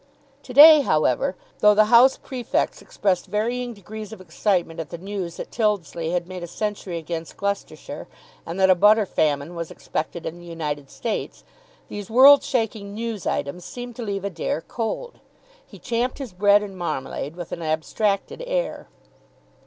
To day, however, though the house prefects expressed varying degrees of excitement at the news that Tyldesley had made a century against Gloucestershire, and that a butter famine was expected in the United States, these world shaking news items seemed to leave Adair cold. He champed his bread and marmalade with an abstracted air.